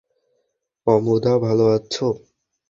অমুধা, ভালো আছ?